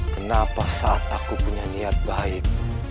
kenapa saat aku punya niat baik